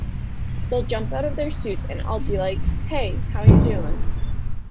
They'd jump out of their suits and I'd be like, 'Hey, how ya doin'?